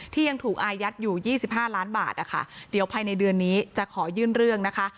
ยังถูกอายัดอยู่๒๕ล้านบาทนะคะเดี๋ยวภายในเดือนนี้จะขอยื่นเรื่องนะคะ